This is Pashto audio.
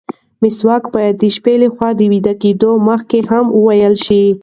مسواک باید د شپې له خوا د ویده کېدو مخکې هم ووهل شي.